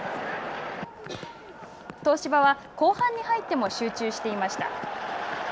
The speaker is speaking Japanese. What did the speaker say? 東芝は後半に入っても集中していました。